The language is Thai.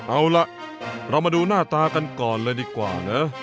เอาล่ะเรามาดูหน้าตากันก่อนเลยดีกว่านะ